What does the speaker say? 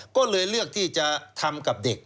ก็เลยเลือกที่จะทำกับเด็ก